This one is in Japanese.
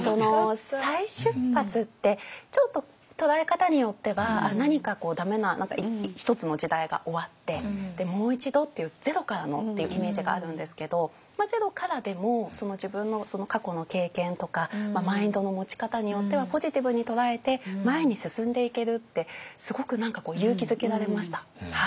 再出発ってちょっと捉え方によっては何か駄目な一つの時代が終わってもう一度っていうゼロからのっていうイメージがあるんですけどゼロからでも自分の過去の経験とかマインドの持ち方によってはポジティブに捉えて前に進んでいけるってすごく何か勇気づけられました。